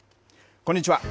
こんにちは。